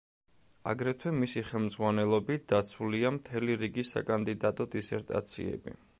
აგრეთვე მისი ხელმძღვანელობით დაცულია მთელი რიგი საკანდიდატო დისერტაციები.